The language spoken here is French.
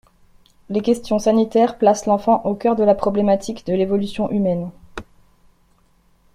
Les questions sanitaires placent l’enfant au cœur de la problématique de l’évolution humaine.